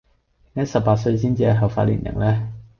點解十八歲先至係合法年齡呢?